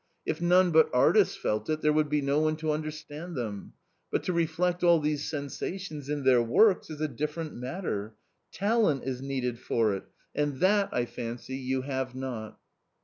If ! none but artists felt it, there would be no one to under ! stand them. But to reflect all these sensations in their works — is a different matter ; talent is needed for it ; and that, I fancy, you have not."